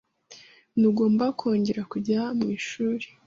Ntugomba kongera kujya mwishuri.